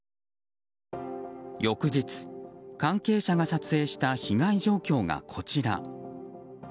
翌日、関係者が撮影した被害状況がこちら。